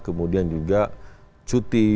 kemudian juga cuti